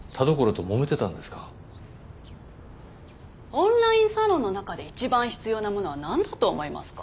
オンラインサロンの中で一番必要なものはなんだと思いますか？